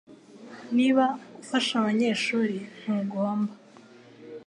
Niba ufashe abanyeshuri ntugomba